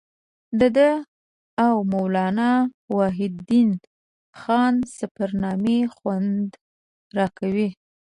د ده او مولانا وحیدالدین خان سفرنامې خوند راکوي.